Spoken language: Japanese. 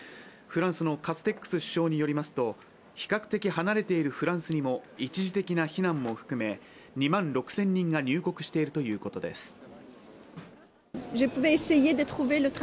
フランスのカステックス首相によりますと、比較的離れているフランスにも一時的な避難も含め２万６０００人が入国しているということです。